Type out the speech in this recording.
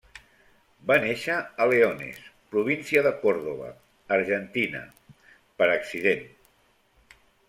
Va néixer a Leones, província de Córdoba, Argentina, per accident.